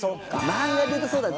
漫画でいうとそうだね。